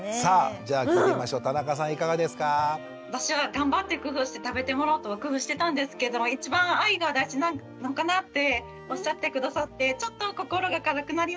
私は頑張って工夫して食べてもらおうと工夫してたんですけども一番愛が大事なのかなっておっしゃって下さってちょっと心が軽くなりました。